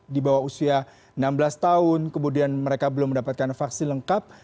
di bawah usia enam belas tahun kemudian mereka belum mendapatkan vaksin lengkap